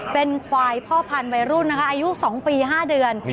เป็นควายพ่อพันธุวัยรุ่นนะคะอายุ๒ปี๕เดือน